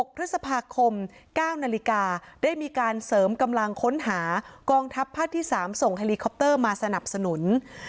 ๖พฤษภาคม๙นาฬิกาได้มีการเสริมกำลังค้นหากองทัพภาคที่๓ส่งเฮลีคอปเตอร์มาสนับสนุน